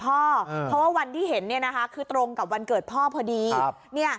เพราะว่าวันที่เห็นคือตรงกับวันเกิดพ่อพอดี